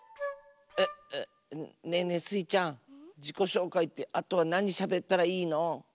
うっうっねえねえスイちゃんじこしょうかいってあとはなにしゃべったらいいの？